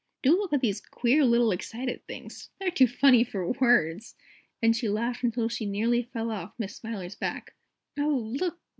"Do look at these queer little excited things. They're too funny for words!" and she laughed until she nearly fell off Miss Smiler's back. "Oh, look!